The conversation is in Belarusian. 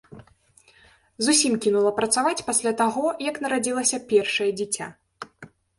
Зусім кінула працаваць пасля таго, як нарадзілася першае дзіця.